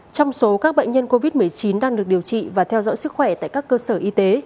trong số các bệnh nhân covid một mươi chín đang được điều trị và theo dõi sức khỏe tại các cơ sở y tế